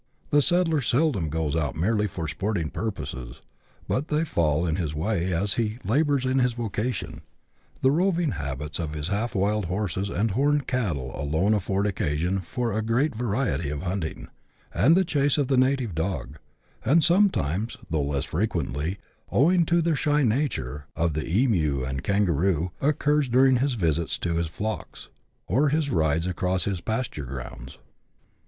The settler seldom goes out merely for sporting purposes, but they fall in his way as he labours in his vocation. The roving habits of his half wild horses and horned cattle alone afford occasion for a great variety of hunting, and the chase of the native dog, and sometimes, though less frequently, owing to their shy nature, of the emu and kangaroo, occurs during his visits to his flocks, or his rides across his pasture grounds.